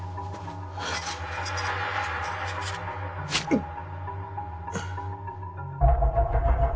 うっ！